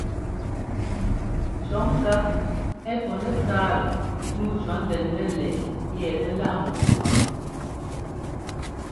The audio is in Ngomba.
Cɔ̌ ŋká ɛ́ pɔ́ nɛtsáatɛ nǔu cɔ̌ ndɛn nɛlɛɛ yɛ pɛ́ láꞌ ḿbɔɔ kwáŋtɛ.